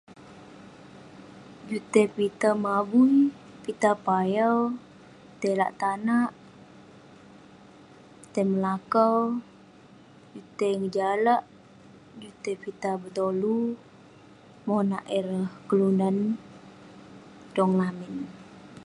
Juk tai pitah mabui, pitah payau, tai lak tanak..tai melakau, juk tai ngejalak, juk pitah betolu monak ireh kelunan tong lamin.